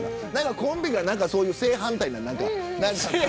コンビが正反対な流れ。